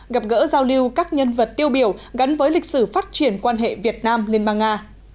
gặp gỡ giao lưu các nhân vật tiêu biểu gắn với lịch sử phát triển quan hệ việt nam liên bang nga